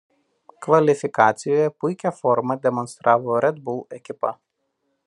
Kvalifikacijoje puikią formą demonstravo Red Bull ekipa.